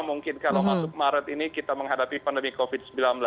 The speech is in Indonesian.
mungkin kalau masuk maret ini kita menghadapi pandemi covid sembilan belas